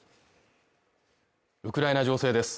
ウクライナ情勢です